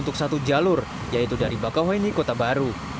untuk satu jalur yaitu dari bakauheni kota baru